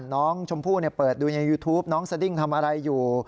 น้องชมพู่เปิดดูในยูทูปน้องสดิ้งทำอะไรอยู่